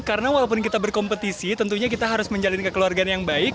karena walaupun kita berkompetisi tentunya kita harus menjalani kekeluargaan yang baik